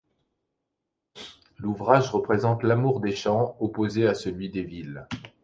L’ouvrage représente l’amour des champs opposé à celui des villes.